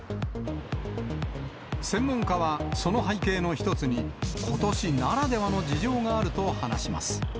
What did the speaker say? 専門家はその背景の一つに、ことしならではの事情があると話します。